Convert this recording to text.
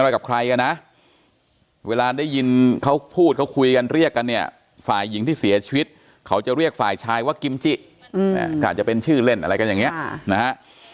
อะไรกับใครกันนะเวลาได้ยินเขาพูดเขาคุยกันเรียกกันเนี่ยฝ่ายหญิงที่เสียชีวิตเขาจะเรียกฝ่ายชายว่ากิมจิก็อาจจะเป็นชื่อเล่นอะไรกันอย่างนี้นะฮะ